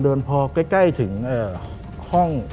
เดินพอใกล้ถึง